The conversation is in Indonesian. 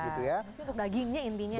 itu untuk dagingnya intinya ya